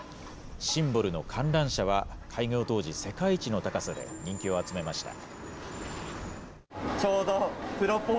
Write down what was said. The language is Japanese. シンボルの観覧車は、開業当時、世界一の高さで人気を集めました。